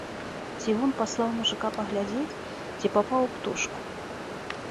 Цівун паслаў мужыка паглядзець, ці папаў у птушку.